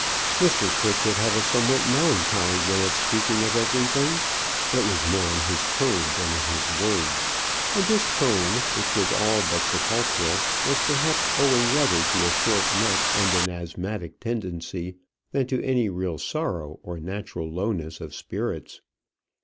Mr. Pritchett had a somewhat melancholy way of speaking of everything. It was more in his tone than in his words. And this tone, which was all but sepulchral, was perhaps owing rather to a short neck and an asthmatic tendency than to any real sorrow or natural lowness of spirits.